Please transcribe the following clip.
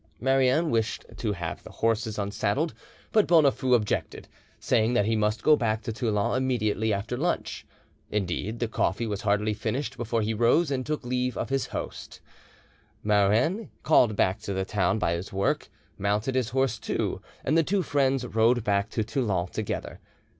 Marouin wished to have the horses unsaddled, but Bonafoux objected, saying that he must go back to Toulon immediately after lunch. Indeed, the coffee was hardly finished before he rose and took leave of his hosts. Marouin, called back to town by his work, mounted his horse too, and the two friends rode back to Toulon together.